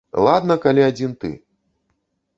Ладна, калі адзін ты.